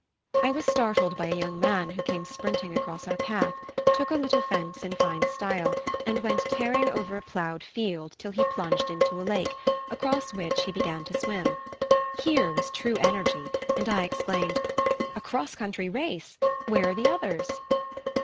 I was startled by a young man who came sprinting across our path, took a little fence in fine style, and went tearing over a ploughed field till he plunged into a lake, across which he began to swim. Here was true energy, and I exclaimed: "A cross country race! Where are the others?"